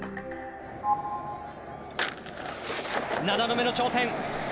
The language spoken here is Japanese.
七度目の挑戦。